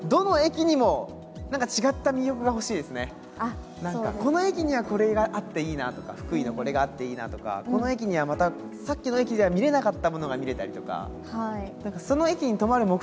確かに何かこの駅にはこれがあっていいなとか福井のこれがあっていいなとかこの駅にはまたさっきの駅では見れなかったものが見れたりとか。